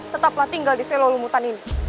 tetaplah tinggal di selalu hutan ini